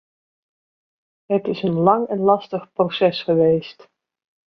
Het is een lang en lastig proces geweest.